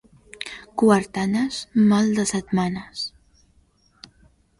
Quartanes, mal de setmanes.